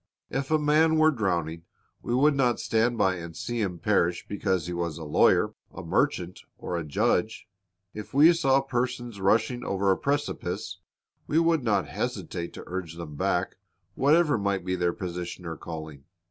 If a man were drowning, we would not stand by and see him perish because he was a lawyer, a merchant, or a judge. If we saw persons rushing over a precipice, we would not hesitate to urge them back, whatever might be their position or calling.